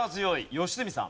良純さん。